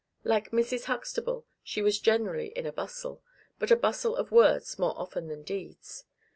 Like Mrs. Huxtable, she was generally in a bustle, but a bustle of words more often than of deeds.